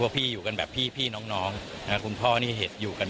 พี่อยู่กันแบบพี่น้องคุณพ่อนี่เห็นอยู่กัน